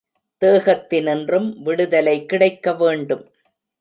தேகத்தினின்றும் விடுதலை கிடைக்க வேண்டும்.